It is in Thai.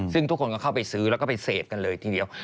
ซึ่งทุกคนก็เข้าไปซื้อแล้วก็ไปเสพกันเลยทีเดียว